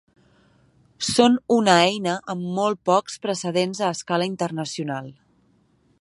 Són una eina amb molt pocs precedents a escala internacional.